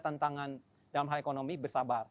tantangan dalam hal ekonomi bersabar